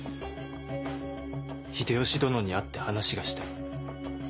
秀吉殿に会って話がしたい。